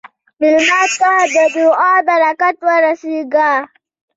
مېلمه ته د دعا برکت ورسېږه.